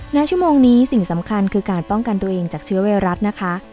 ณชั่วโมงนี้สิ่งสำคัญคือการป้องกันตัวเองจากเชื้อไวรัสนะคะ